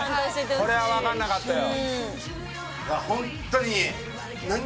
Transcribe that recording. これは分かんなかったよ